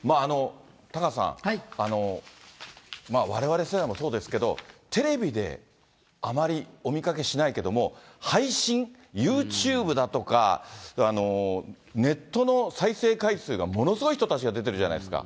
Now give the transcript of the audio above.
タカさん、われわれ世代もそうですけど、テレビであまりお見かけしないけども、配信、ユーチューブだとか、ネットの再生回数がものすごい人たちが出てるじゃないですか。